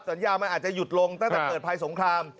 สัญญามันอาจจะหยุดลงตั้งแต่เกิดภัยสงคราม